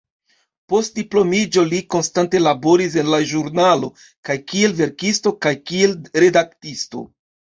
Post diplomiĝo li konstante laboris en la ĵurnalo, kaj kiel verkisto kaj kiel redaktisto.